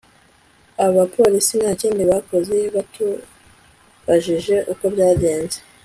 Aba police ntakindi bakoze batubajije uko byagenze